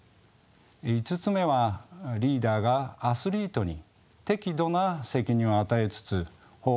５つ目はリーダーがアスリートに適度な責任を与えつつ方向を調整する。